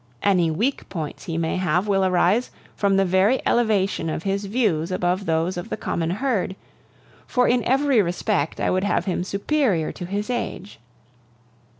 Any weak points he may have will arise from the very elevation of his views above those of the common herd, for in every respect I would have him superior to his age.